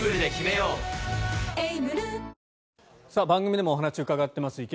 番組でもお話を伺っています